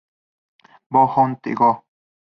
Bo on the go!